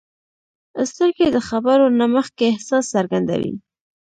سترګې د خبرو نه مخکې احساس څرګندوي